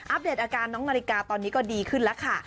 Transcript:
เดตอาการน้องนาฬิกาตอนนี้ก็ดีขึ้นแล้วค่ะ